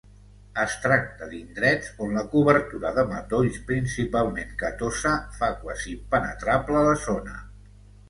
Es tracta d'indrets on la cobertura de matolls, principalment gatosa, fa quasi impenetrable la zona.